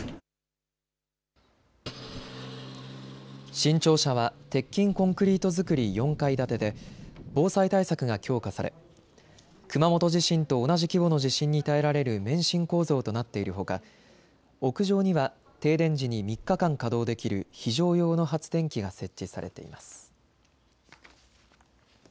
新庁舎は鉄筋コンクリート造り４階建てで防災対策が強化され熊本地震と同じ規模の地震に耐えられる免震構造となっているほか屋上には停電時に３日間稼働できる非常用の発電機が設置されています。